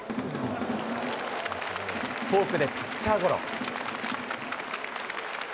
フォークでピッチャーゴロ。